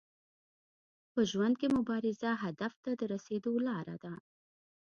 په ژوند کي مبارزه هدف ته د رسیدو لار ده.